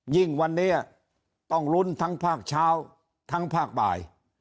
ยิ่งวันนี้ต้องลุ้นทั้งภาคเช้าทั้งภาคบ่าย